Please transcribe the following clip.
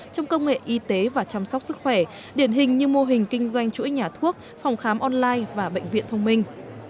trong công nghệ y tế và chăm sóc sức khỏe điển hình như mô hình kinh doanh chuỗi nhà thuốc phòng khám online và bệnh viện thông minh